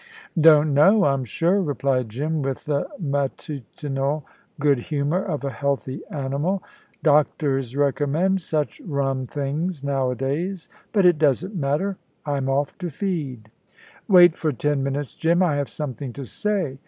"Don't know, I'm sure," replied Jim, with the matutinal good humour of a healthy animal. "Doctors recommend such rum things nowadays. But it doesn't matter. I'm off to feed." "Wait for ten minutes, Jim. I have something to say."